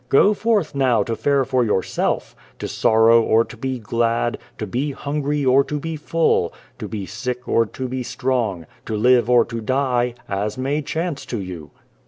Go forth, now, to fare for yourself, to sorrow or to be glad, to be hungry or to be full, to be sick or to be strong, to live or to die, as may chance to you.'"